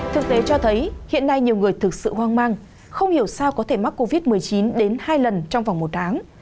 thực tế cho thấy hiện nay nhiều người thực sự hoang mang không hiểu sao có thể mắc covid một mươi chín đến hai lần trong vòng một tháng